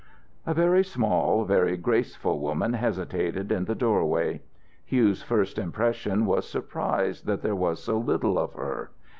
A very small, very graceful woman hesitated in the doorway. Hugh's first impression was surprise that there was so little of her.